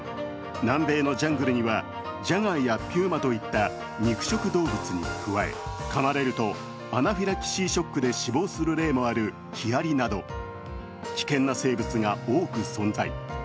南米のジャングルにはジャガーやピューマといった肉食動物に加え、かまれるとアナフィラキシーショックで死亡する例もあるヒアリなど危険な生物が多く存在。